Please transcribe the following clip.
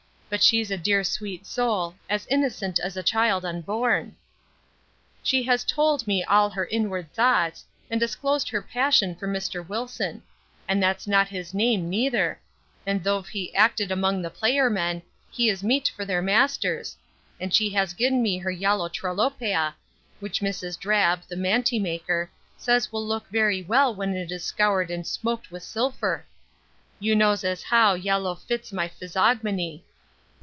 But she's a dear sweet soul, as innocent as the child unborn. She has tould me all her inward thoughts, and disclosed her passion for Mr Wilson; and that's not his name neither; and thof he acted among the player men, he is meat for their masters; and she has gi'en me her yallow trollopea; which Mrs Drab, the mantymaker, says will look very well when it is scowred and smoaked with silfur You knows as how, yallow fitts my fizzogmony.